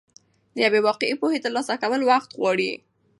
د یوې واقعي پوهې ترلاسه کول وخت غواړي.